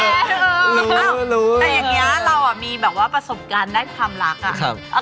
จับได้ตลอดแน่แต่อย่างนี้เรามีแบบว่าประสบการณ์ได้ความรัก